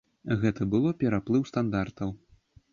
Гэта было пераплыў стандартаў.